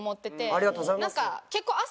ありがとうございます。